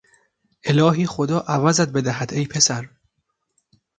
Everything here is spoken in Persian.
الهی خدا عوضت بدهد ای پسر!